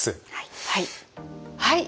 はい。